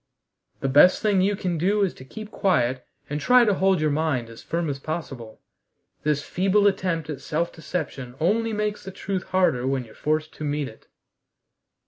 "The best thing you can do is to keep quiet and try to hold your mind as firm as possible. This feeble attempt at self deception only makes the truth harder when you're forced to meet it."